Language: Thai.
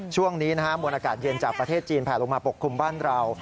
ช่วงนี้นะฮะมวลอากาศเย็นจากประเทศจีนแผลลงมาปกคลุมบ้านเรา